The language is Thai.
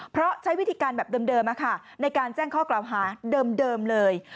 เพราะใช้วิธีการแบบเดิมในการแจ้งข้อกล่าวหาเดิมเลย